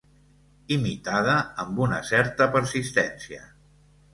Imitada amb una certa persistència.